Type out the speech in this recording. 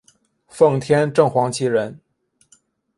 奉天正黄旗人。